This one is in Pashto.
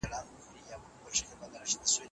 مذهبي ډلې باید یو بل وپېژني.